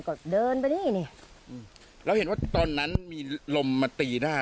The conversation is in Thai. ก็เดินไปนี่แล้วเห็นว่าตอนนั้นมีลมมัตีหน้า